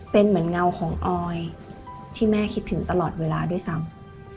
เป็นเหมือนเงาของออยที่แม่คิดถึงตลอดเวลาด้วยซ้ำ